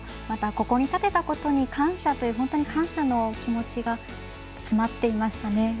また、ここに立てたことに感謝という本当に感謝の気持ちが詰まっていましたね。